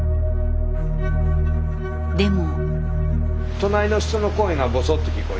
でも。